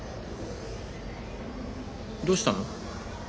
どうしたの？